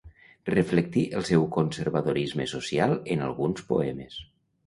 Reflectí el seu conservadorisme social en alguns poemes.